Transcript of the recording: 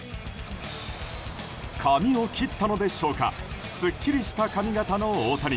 髪を切ったのでしょうかすっきりした髪形の大谷。